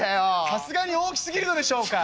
「さすがに大きすぎるのでしょうか」。